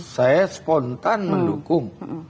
saya spontan mendukung